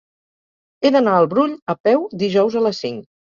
He d'anar al Brull a peu dijous a les cinc.